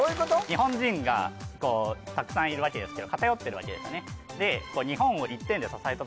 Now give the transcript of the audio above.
日本人がたくさんいるわけですけど偏ってるわけですよね